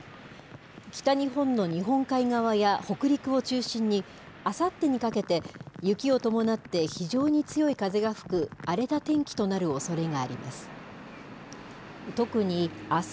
北日本の日本海側や北陸を中心に、あさってにかけて、雪を伴って非常に強い風が吹く荒れた天気となるおそれがあります。